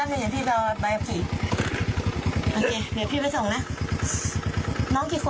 คือเท่าที่คุณผู้ชมได้ยินในคลิปค่ะ